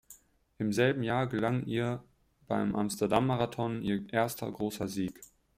Im selben Jahr gelang ihr beim Amsterdam-Marathon ihr erster großer Sieg.